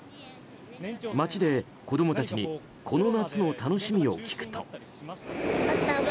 街で子供たちにこの夏の楽しみを聞くと。